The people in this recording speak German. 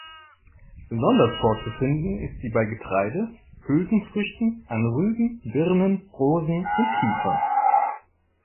Besonders vorzufinden ist sie bei Getreide, Hülsenfrüchten, an Rüben, Birnen, Rosen und Kiefern.